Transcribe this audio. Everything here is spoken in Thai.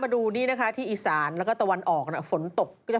ได้ส่งเข้ามา